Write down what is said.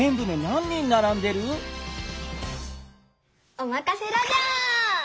おまかせラジャー！